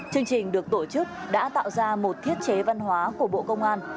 chương trình được tổ chức đã tạo ra một thiết chế văn hóa của bộ công an